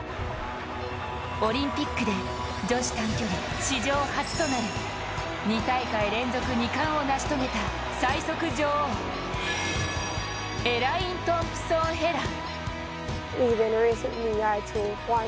オリンピックで女子短距離史上初となる２大会連続２冠を成し遂げた最速女王、エライン・トンプソン・ヘラ。